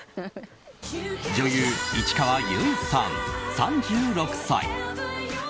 女優・市川由衣さん、３６歳。